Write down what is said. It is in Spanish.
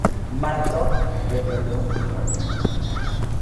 Marathon Petroleum Corp.